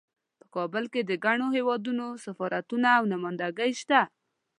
په کابل کې د ګڼو هیوادونو سفارتونه او نمایندګۍ شته